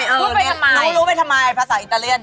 น้องรู้ไปทำไมภาษาอิตาเลียน